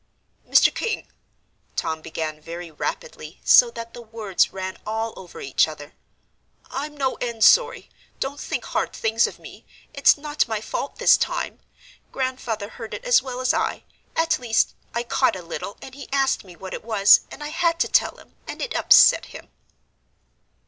"Mr. King," Tom began very rapidly so that the words ran all over each other, "I'm no end sorry don't think hard things of me it's not my fault this time; Grandfather heard it as well as I at least, I caught a little and he asked me what it was, and I had to tell him, and it upset him."